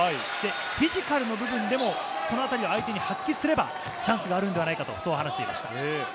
フィジカルの部分でもそのあたり相手に発揮すればチャンスがあるんではないかと話していました。